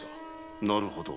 なるほど。